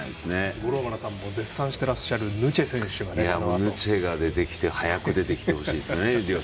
五郎丸さんも絶賛してらっしゃるヌチェに早く出てきてほしいですね。